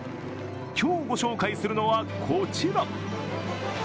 今日ご紹介するのはこちら。